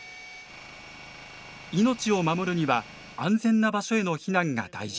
命を守るには安全な場所への避難が大事。